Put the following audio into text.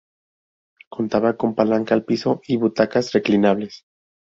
Contaba con palanca al piso y butacas reclinables.